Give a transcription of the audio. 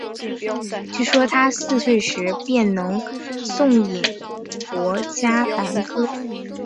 据说他四岁时便能吟诵薄伽梵歌。